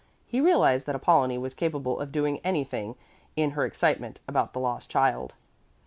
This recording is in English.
He realized that Apollonie was capable of doing anything in her excitement about the lost child.